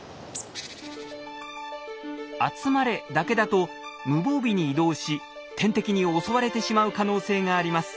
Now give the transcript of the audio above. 「集まれ」だけだと無防備に移動し天敵に襲われてしまう可能性があります。